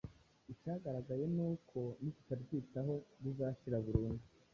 Icyagaragaye nuko uko nitutaryitaho rizashira burundu